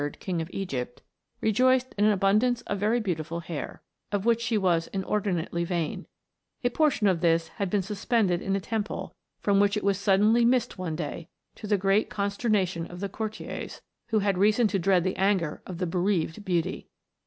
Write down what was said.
King of Egypt, rejoiced in an abundance of very beautiful hair, of which she was inordinately vain ; a portion of this had been suspended in a temple, from which it was suddenly missed one day to the great consternation of the courtiers, who had reason to dread the anger of the " bereaved" beauty.